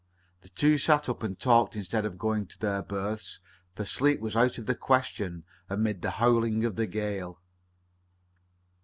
The two sat up and talked instead of going to their berths, for sleep was out of the question amid the howling of the gale.